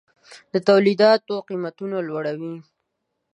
د تولیداتو قیمتونه لوړوي.